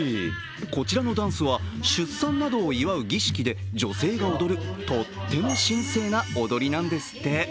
こちらのダンスは出産などを祝う儀式で女性が踊るとっても神聖な踊りなんですって。